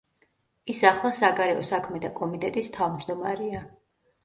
ის ახლა საგარეო საქმეთა კომიტეტის თავმჯდომარეა.